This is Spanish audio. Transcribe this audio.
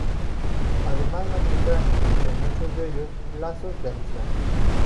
Además mantendrá con muchos de ellos lazos de amistad.